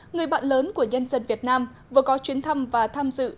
người bạn lớn của nhân dân việt nam vừa có chuyến thăm và tham dự